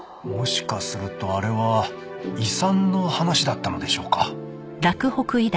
もしかするとあれは遺産の話だったのでしょうか。